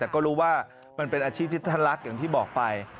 แต่ก็รู้ว่ามันเป็นอาชีพที่ท่านรักอย่างที่บอกไป